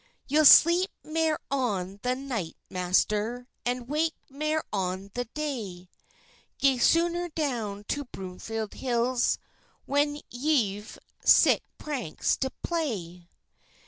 "Ye'll sleep mair on the night, master, And wake mair on the day; Gae sooner down to Broomfield Hills When ye've sic pranks to play.